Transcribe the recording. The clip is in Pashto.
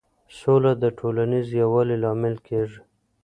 سوله د ټولنیز یووالي لامل کېږي.